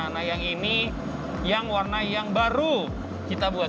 nah yang ini yang warna yang baru kita buat